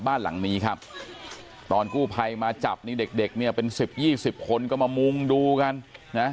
บ้านหลังนี้ครับตอนกู้ภัยมาจับนี่เด็กเด็กเนี่ยเป็นสิบยี่สิบคนก็มามุ่งดูกันนะ